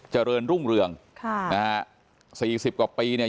เจริญรุ่งเรืองค่ะนะฮะสี่สิบกว่าปีเนี่ย